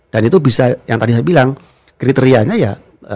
dan itu bisa yang tadi saya bilang kriterianya ya